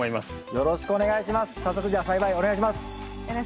よろしくお願いします。